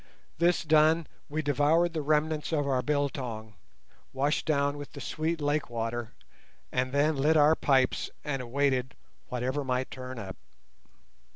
This done, we devoured the remnants of our biltong, washed down with the sweet lake water, and then lit our pipes and awaited whatever might turn up.